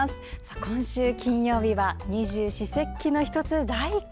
今週金曜日は二十四節気の１つ、大寒。